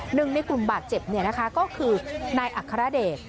หนึ่งในกลุ่มบาดเจ็บเนี่ยนะคะก็คือนายอัครเดช